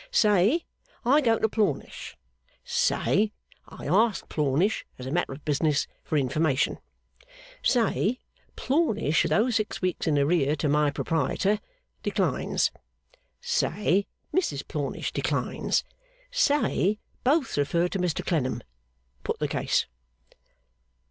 Say, I go to Plornish. Say, I ask Plornish as a matter of business for information. Say, Plornish, though six weeks in arrear to my proprietor, declines. Say, Mrs Plornish declines. Say, both refer to Mr Clennam. Put the case.